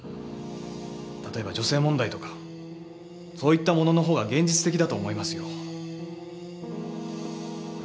例えば女性問題とかそういったもののほうが現実的だと思いますよ。